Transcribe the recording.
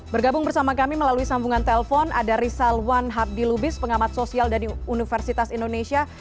bergabung bersama kami melalui sambungan telpon ada rizal wan habdi lubis pengamat sosial dari universitas indonesia